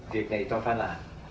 việc này tôi phải làm